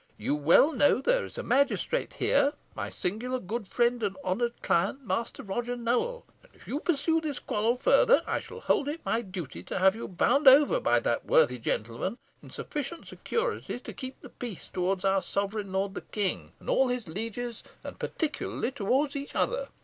You well know there is a magistrate here, my singular good friend and honoured client, Master Roger Nowell, and if you pursue this quarrel further, I shall hold it my duty to have you bound over by that worthy gentleman in sufficient securities to keep the peace towards our sovereign lord the king and all his lieges, and particularly towards each other.